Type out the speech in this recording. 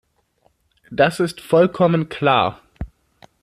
Das ist vollkommen klar.